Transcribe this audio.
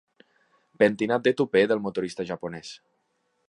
Pentinat de tupè del motorista japonès.